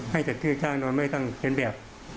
ให้จัดที่จ้างโดยไม่ต้องเข้นแบบ